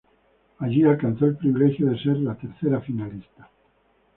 Allí alcanzó el privilegio de ser la tercera finalista.